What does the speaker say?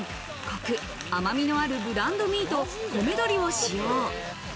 コク、甘みのあるブランドミート・米どりを使用。